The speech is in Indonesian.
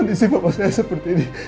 kondinsi mama saya seperti ini